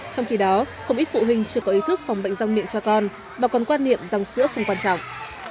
trong khi đó không ít phụ huynh chưa có ý thức phòng bệnh răng miệng cho con và còn quan niệm răng sữa không quan trọng